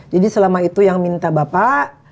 jadi selama itu yang minta bapak